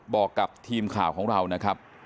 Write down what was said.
บอกกับทีมข่าวของเรานะครับ